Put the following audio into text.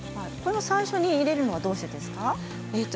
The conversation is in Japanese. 最初に入れるのはどうしてですか？